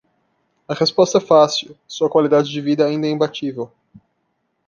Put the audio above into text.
A resposta é fácil, sua qualidade de vida ainda é imbatível.